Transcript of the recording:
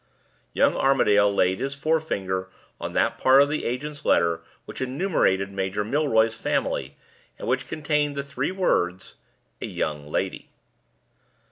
Young Armadale laid his forefinger on that part of the agent's letter which enumerated Major Milroy's family, and which contained the three words "a young lady."